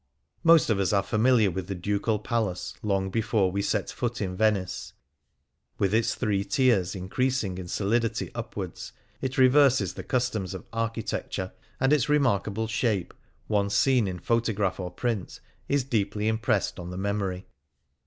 Most of us are familiar with the Ducal Palace long before we set foot in Venice. With its three tiers in cretising in solidity upwards, it reverses the customs of architecture, and its remarkable shape, once seen in photograph or print, is deeply impressed on the memory.